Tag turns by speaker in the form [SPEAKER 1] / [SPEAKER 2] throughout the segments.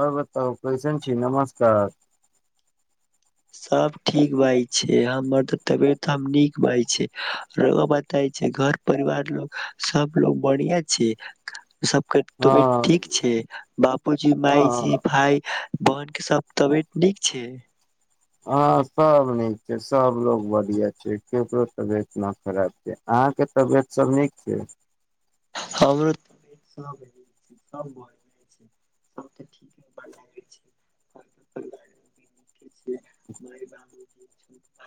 [SPEAKER 1] तर बताउ कैसन छी नमस्कार
[SPEAKER 2] सब ठीक बाज छै हमर त तबियतऽ हम नीक बाज छै बताय छै घर परिवार लो सब लोग बढ़ििया छै सब त
[SPEAKER 1] हँ
[SPEAKER 2] ठीक छै बापूजी मायजी
[SPEAKER 1] हँ
[SPEAKER 2] भाय बहिनक के सब तबियत नीक छै
[SPEAKER 1] हँ सभ नीक छै सभलोग बढ़िआँ छै ककरो तबियत न खराब छै अहाँके तबियत सभ नीक छै
[SPEAKER 2] हमरो ब सब तऽ ठीक [unintelligible]
[SPEAKER 1] [inaudible]
[SPEAKER 2] [unintelligible]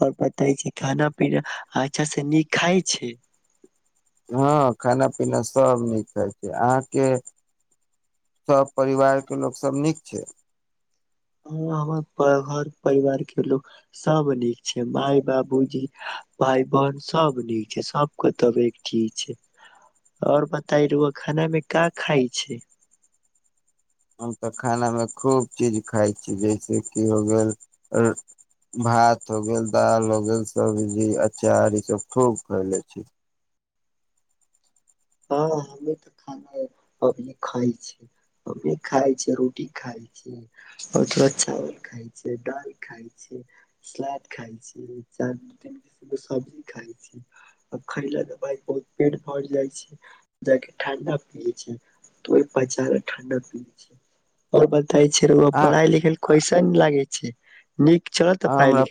[SPEAKER 2] आओर पताे छै खाना पीना अच्छा से नीक खााय छै
[SPEAKER 1] हँ खाना पीना सब नीक होइ छै अहाँके सब परिवार के लोक सब नीक छै
[SPEAKER 2] हँ हमर घर परिवार के लोग सब नीक छै मााय बाबूजी भाय बहन सब नीक छै सबक तबठी छै आओर बताय रहु खेाना मे का खााय छै
[SPEAKER 1] हम तऽ खानामे खूब चीज खाइ छी जैसेकि हो गेल र भात हो गेल दालि हो गेल सबजी अचार इसभ खूब खय लै छी
[SPEAKER 2] हँ हमे तऽ खानाभ खााय छी खााय छ रोटी खााय छी थोड़ा चावल खााय छ दालि खााय छी सलाद खााय छी सब्जी खााय छी आ खयल के बाद बहुत पेट भर जाइ छै जा ठ्डा पी छै त बचारा ठण्डा पी छै आओर ब त छै ओ
[SPEAKER 1] आ
[SPEAKER 2] पाढाइ लिखाय ल कैसा लागे छै छी
[SPEAKER 1] हमरा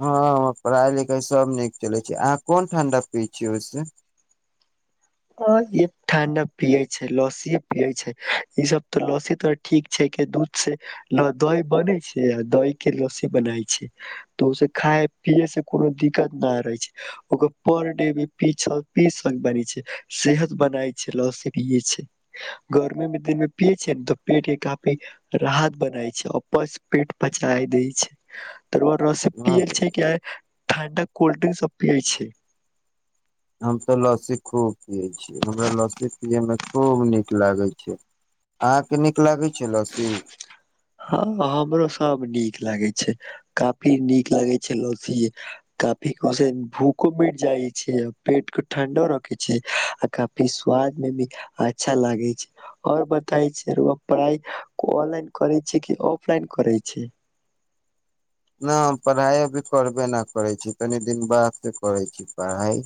[SPEAKER 1] हँ हम पढ़ाई लिखाई सब नीक चलै छै अहाँ कोन ठं्डा पी छियै ओहिस
[SPEAKER 2] ठणडा पिये छै लस्सी पिये छै ई सब तऽ लस्सी तो ठीक छै के दूध से दही बनेै छै आ दही के लस्सी बनाय छै तऽ ओस खाय पिये से कोनो दिक्कत न रहे छै ओकर पर डे भीी पी बन छै सेहत बनाय छै ल से पिये छै गर्मी मे दिन मे पियए छै ने तऽ पेट के काफी राहत बनाय छै पस पेट पचााय दै छै तरबर रस पियल छै क ठाण्डा कोल्ड्रिंक सब पियै छै
[SPEAKER 1] हम तऽ लस्सी खूब पियै छै हमरा लसीपिया मे खूब नीक लागैत छैक अहाँके नीक लागैत छैक लस्सी
[SPEAKER 2] हँ हमरो सब नीक लागैत छैक काफी नीक लगैत छैक काफी भूखो मीट जाइ छैक पेट केँ ठंडो रखैत छैक आ काफी स्वाद मे भी अच्छा लागैत छैक ओर बताे पढ़ाई ऑनलाइन करे ऑफलाइन करै छै
[SPEAKER 1] नहि पढ़ाइ अभी करबे न करैत छी कनि दिन बाद त करैत छी पढ़ाइ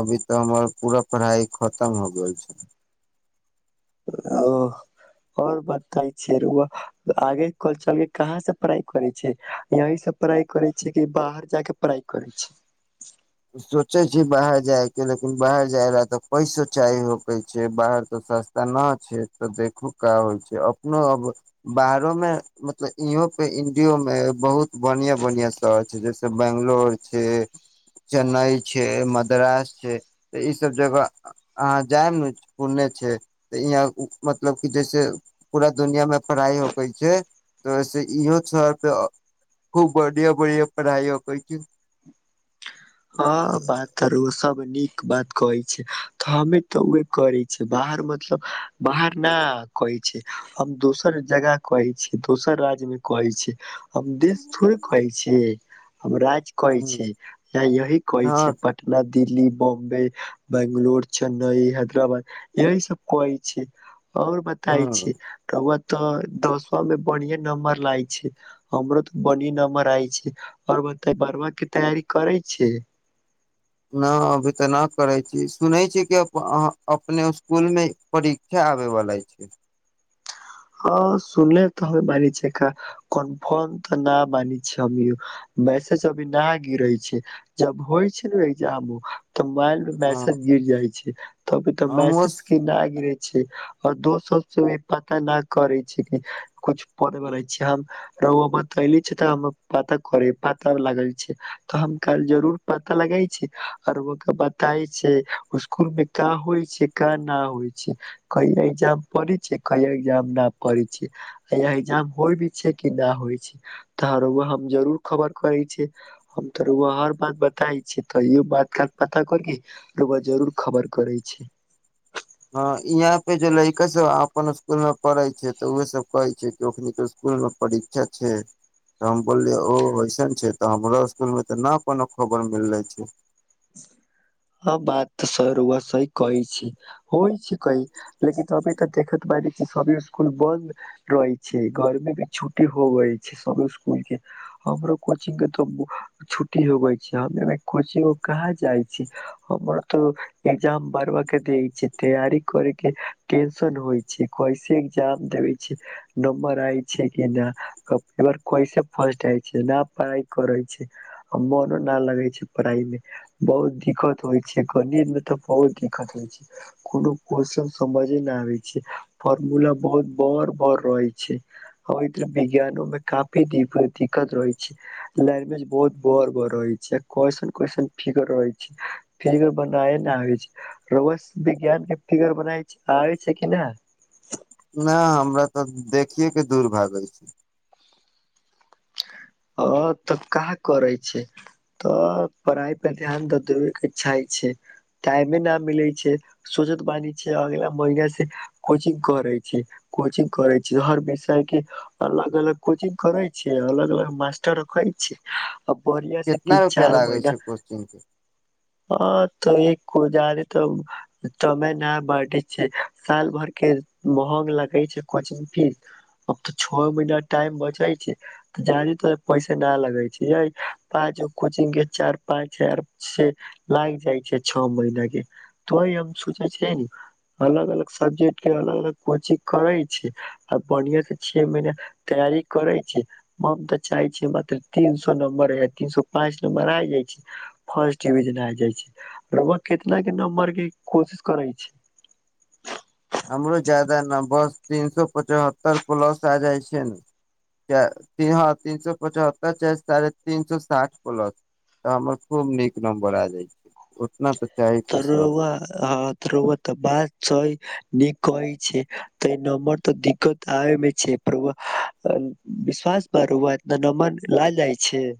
[SPEAKER 1] अभी तऽ हमर पूरा पढ़ाइ खतम हो गेल छैक
[SPEAKER 2] ओ आओर बताै आगे चल केँ कहाँ से पढ़ाइ करैत छिही यहिसे पढ़ाइ करैत छै कि बाहर जाके पढ़ाइ करैत छै
[SPEAKER 1] सोचै छै बाहर जायकेँ लेकिन बाहर जाय रह तऽ पैसो चाहि होकै छै बाहर तऽ सस्ता नहि छै तऽ देखहो का होइ छै अपनो अब बाहरोमे मतलब इहोपर इंडियोमे बहुत बढ़िआँ बढ़िआँ शहर छैक जैसे बेंगलोर छैक चेन्नइ छै मद्रास छै तऽ ईसभ जगह अहाँ जायब ने पुणे छै तऽ यहाँ मतलब कि जइसे पूरा दुनिआँमे पढ़ाइ होकै छै तऽ वैसे इहो शहरपे खूब बढ़िआँ बढ़िआँ पढ़ाइ होकै छै
[SPEAKER 2] हँ बात तर सब [unintelligible] नीक बात कहैत छै तऽ हमे तऽ उे करै छिय बाहर मतलब बाहर न कहै छै हम दोसर जगह कहैत छियै दोसर राज्य मे कहैत छियैक हम देश छथोुर कहै छी [unintelligible] हम राज कहैत
[SPEAKER 1] ह
[SPEAKER 2] छियैक य यही कहै छै
[SPEAKER 1] हँ
[SPEAKER 2] पटना दिल्ली बॉम्बे बंगलोर चेन्नई हैदराबाद यही सब कहै छै और बताय
[SPEAKER 1] ह
[SPEAKER 2] छी त तऽ दसवा मे बढ़िया नम्बर लाय छै हमरो ते बढ़िया नंबर आय छै और बता बारवा केँ तैयारी करैत छियैक
[SPEAKER 1] नहि अभी तऽ नहि करैत छी सुनै छीय कि अहाँ अपने इसकुलमे परीक्षा आबेबला छैक
[SPEAKER 2] ह सुने तऽ मान छियै कन्फर्म तऽ नहि मानय छियैक हम मैसेज अभी न गिरे छैक जब होइ छै ने ए्जाम तऽ मोबाइल मे मैसेज गिर जाय छैक तब तऽ
[SPEAKER 1] हमहुँ
[SPEAKER 2] मैसेज केँ न गिरे आऔ दोस भी पता न छ पढ़वला छी बतले छी त हम पता करे पता लागल छै तऽ हम काल जरूर पता लगे छी आर केँ बताे छै इससकूल मे क होई छै क न होई छै कय एग्जाम पढ़े छै कय एग्जाम न पढै छै यहाँ इग्जाम होइ भी छै कि नहि होइ छै तऽ हम जरूर खबर करै छि हम तो हर बात बताै छ तयो बात काल पता करके जरूर खबर करे छै
[SPEAKER 1] हँ यहाँ पे जे लड़का सभ अपन इसकुलमे पढ़ैत छैक तऽ उहसभ कहैत छैक कि ओखने इसकुलमे परीक्षा छै तऽ हम बोललियै ओ वइसन छै तऽ हमरो इसकुलमे तऽ नहि कोनो खबर मिलैत छैक
[SPEAKER 2] हँ बात तऽ सर ओह सही कहै छै होइ छै कहई लेकिन अभी तऽ देखैत पाय छै सब स्सकुल बन्द रहय छैक घरमे भी छुट्टी हो गईल छैक सब इसकुल केंँ हमरो कोचिंग केँ तो छुट्टी हो गईल छैक हममे कोचिंग कहाँ जाइ छै हमर तो एग्जाम बार बार के दै छै तैयारी करे केँ टेंशन होइत छैक कैसे एग्जाम देबे छैक नम्बर आय छै कि न कैसे फर्स्ट आय छै न पढ़ाई करैत छैक मोनो न लगे छै पढ़ाई मे बहुत दिक्कत होइ छै गणित मे तऽ बहुत दिक्कत होइत छैक कोनो केश्चन समझे नहि आबैत छैक फॉर्मूला बहुत बर बर रहैत छैक विज्ञानो मे काफी दिक्कत रहै छै लैंग्वेज बहुत बर बर रहै छै क्वन क्वन फिगर रहै छै फिगर बनाय नहि आबै छै रहुआ विज्ञान केँ फिगर बनाबे आबैत छै कि नहि
[SPEAKER 1] नहि हमरा तऽ देखिएकेऽ दूर भए जाै छै
[SPEAKER 2] आ तऽ काँ करे छै तऽ पढ़ाई पर ध्यान तऽ देबे केँ इच्छा छै टाइमे न मिले छै सोचत बानी छै अगला महिना से कोचिंग करे छै कोचिंग करे छी हर विषय केँ अलग अलग कोचिंग करे छै अलग अलग मास्टर रोकै छै आ बढ़िआ से
[SPEAKER 1] कितना
[SPEAKER 2] तीन
[SPEAKER 1] रुपआ
[SPEAKER 2] चार
[SPEAKER 1] लागे
[SPEAKER 2] महिना
[SPEAKER 1] छै कोचिंग के
[SPEAKER 2] हँ तऽ एक हजार तब तब नहि बटैत छै साल भर केँ महग लगै छै कोचिंग फीस अब तऽ छओ महीना टाइम बचै छै त ज पैसे न लगे छै य पाँच गो कोचिंग के चार पाच यार से लाग जाइ छै छओ महीना के तो हम सोचे छ अलग अलग सब्जेक्ट के अलग अलग कोचिंग करे छी आ बढ़िया से छह महीना तैयारी करे छी चाहे छियै मात्र तीन सो नम्बर य तीन सो पाँच नंबर आ जाइ छै फर्स्ट डिविजन आ जाइ छै कितना केँ नम्बर केँ कोशिश करे छै
[SPEAKER 1] हमरो जादा न बस तीन सो पचहत्तर प्लस आ जाइ छै ने ह तीन सो पचहत्तर च साढ़े तीन सो साठ प्लस तऽ हमर खूब नीक नंबर आ जाय छै उतना तऽ चाही पैसा
[SPEAKER 2] तरौवाहँ तरोवा तऽ बाद छै नीक [unintelligible] कहै छै त ए नमर तऽ दिक्कत आयमे छै पर विश्वास पर रउआ विश्वास पर न ऐत रउआ नम्बर ला जाइ छैक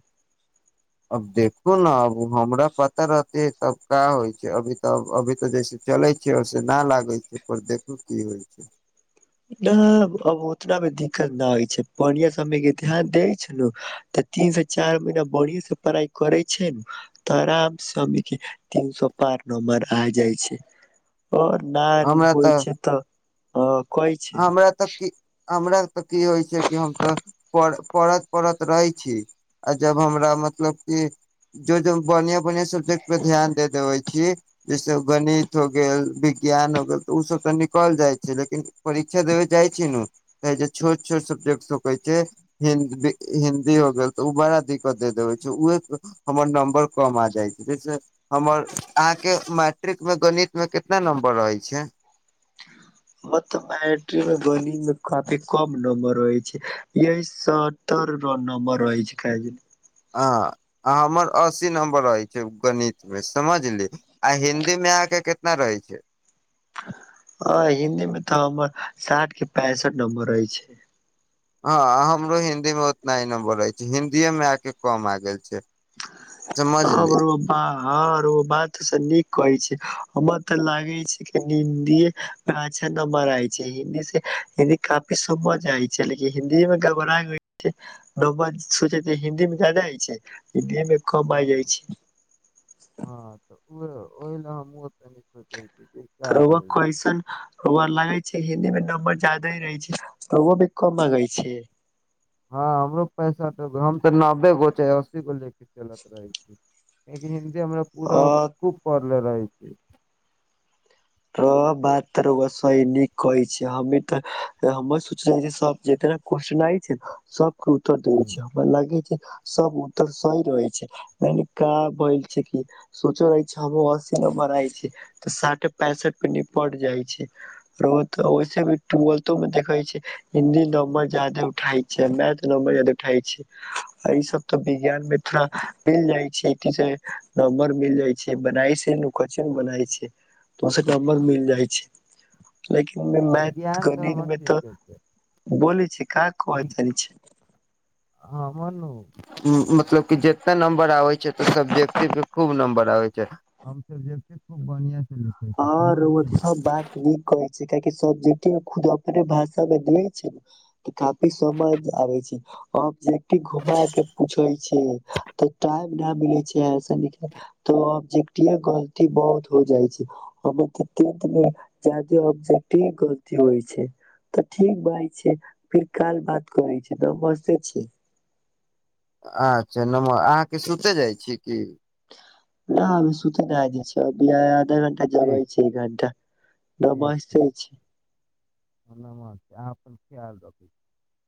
[SPEAKER 1] अब देखू ने अब हमरा पता रहतै तब का होइ छै अभी तऽ अभी तऽ जैसे चलै छैियै ओैसे नहि लागै छै पर देखू की होइ छै
[SPEAKER 2] नहि अब उतना भी दिक्कत न होइ छै बढ़िआ सब से के ध्यान दै छै ने तऽ तीन से चार महीना बढ़िआ से पढ़ाइ करै छै ने तऽ आराम से हमीक के तीन सौ पार नम्बर आ जाइ छै ओ नान होइ छै तऽ ह कहै छै
[SPEAKER 1] हमरा तऽ की हमरा तऽ की होइ छै कि हम तऽ पढ पढ़त रहै छी आ जब हमरा मतलब क जो जो बन बढ़िया सब्जेक्ट पर ध्यान दे देबे छी जैसे गणित हो गेल विज्ञान हो गेल तऽ ओ सब तऽ निकल जाइ छै लेकिन परीक्षा देबे जाइत छी नु त छोट छोट सब्जेक्ट कहै छै हिन्दी हो गेल तऽ ओ बड़ा दिक्कत दे देबै छै उह हमर नम्बर कम आ जाइ छै जैसे हमर अहाँके मैट्रिकमे गणितमे कितना नम्बर रहै छै
[SPEAKER 2] हम तऽ मैट्री मे गनि मे काफी कम नम्बर रहै छै यही सत्तर नम्बर रहै छै क
[SPEAKER 1] ह हमर अस्सी नम्बर रहै छै गणित मे समझली आ हिन्दी मे अहाँके कना रहै छै
[SPEAKER 2] ह हिन्दी मे तऽ हमर साठ के पैंसठ नं्बर रहैय छै
[SPEAKER 1] हँ हमरो हिंदीमे उतना ही नम्बर रहैत छै हिंन्दीएमे आकेऽ कम आ गेल छै
[SPEAKER 2] ह
[SPEAKER 1] समझली
[SPEAKER 2] बरबा हंर ओ बात सब नीक कहै छै हमर तऽ लागे छै क हिन्दीे मे अच्छा नमबरय छै हिन्दी से हिन्दी काफी समझ आय छै लेकिन हिन्दी मे घबरा छै न सोचे छै हिन्दी मे जादाइ छै हिन्दी मे कबइ जाइ
[SPEAKER 1] हँ
[SPEAKER 2] छै
[SPEAKER 1] हँ तऽ ओहि ले हमहुनी सोचै छी कि
[SPEAKER 2] तऽ
[SPEAKER 1] का
[SPEAKER 2] रउआ
[SPEAKER 1] भेल
[SPEAKER 2] कइसन लागे छै हिन्दी मे नम्बर जदा ह रहै छै रगो भी कम गै छै
[SPEAKER 1] हँ हमरो पैसठ त हम तऽ नब्बे गो चाह अस्सी गो लेके चलत रहै छै एक हिन्दीहमरा पूरा
[SPEAKER 2] अ
[SPEAKER 1] खूब प नल र छै
[SPEAKER 2] त बात तर सही नीक कहै छ हमी तऽ हमर सोचल छी सब जितना कठनाइ छै ने सब उतर दै छरा लागै जे सब उतर सही रहै छै म क ब छै कि सोचो रहै छै हमसिन बनाइ छै तऽ साट पैंसठ प निपट जाइ छै ओी टथो मे देख छै हिन्दी नं्बर जादे उठई छै मैथ नं्बर जादे उठई छै ई सब त विज्ञान मे थोड़ा मिल जाइ छै नमबर मिल जाय छै बना छै बना छै दसट बाद मिल जाइ छै लेकिन मै
[SPEAKER 1] विज्ञान तऽ
[SPEAKER 2] गणित
[SPEAKER 1] हमर
[SPEAKER 2] मे तऽ
[SPEAKER 1] ठीके छै
[SPEAKER 2] बोलै छी का कहअ तनि छै
[SPEAKER 1] हँ मनु मतलब क जितना नम्बर आबे छै सब्जेक्टिव के खूब नं्बर आबे छै सबेकट खूब बढ़िया
[SPEAKER 2] हँ रउआ तऽ सब बात नीक कहै छै कियकि सब के खुद अपने भाषा मे देै छै ने त काफी समझ आबै छै अब जे घुमा के पूछै छै तऽ मिलै छै ऐसा न तो ओबजक्टिवे गलती बहुत हो जाइ छै हम त त टेन्थ मे जैयादे गलती होइ छै तऽ ठीक बाय छै फिर काल बात करै छी नमस्ते छी
[SPEAKER 1] अच्छा नमर अहाँके सुते जाइ छीय की
[SPEAKER 2] न सुती नहि द छै आधा घण्टा जाबा
[SPEAKER 1] ठीक
[SPEAKER 2] छै घण्टा
[SPEAKER 1] ठीक ठीक हम नमस्ते आहाँ अपन ख्याल राखूै